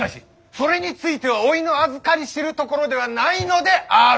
それについてはおいのあずかり知るところではないのである！